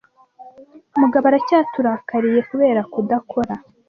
Mugabo aracyaturakariye kubera kudakora